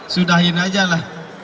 sudah ini saja